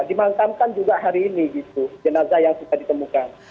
dimakamkan juga hari ini gitu jenazah yang sudah ditemukan